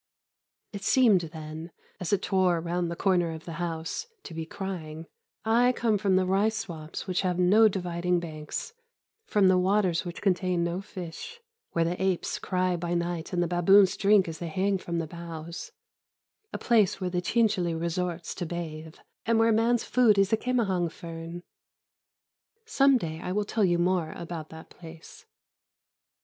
It seemed then, as it tore round the corner of the house, to be crying, "I come from the rice swamps which have no dividing banks, from the waters which contain no fish, where the apes cry by night and the baboons drink as they hang from the boughs; a place where the chinchîli resorts to bathe, and where man's food is the kĕmahang fern." Some day I will tell you more about that place.